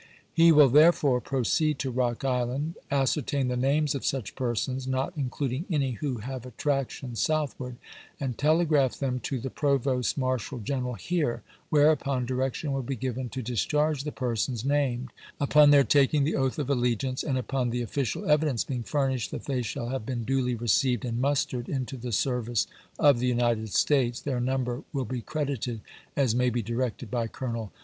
He will therefore proceed to Rock Island, ascer tain the names of such persons (not including any who have attractions Southward), and telegraph them to the Provost Marshal Greneral here, whereupon direction wiU be given to discharge the persons named upon their tak ing the oath of allegiance ; and upon the official evidence being furnished that they shaU have been duly received Vol. v.— 10 146 ABKAHAM LINCOLN chaj". VIII. and mustered into tlie service of the United States, their number will be credited as may be directed by Colonel MS.